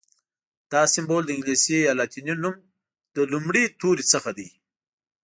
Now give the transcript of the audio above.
دا سمبول د انګلیسي یا لاتیني نوم له لومړي توري څخه دی.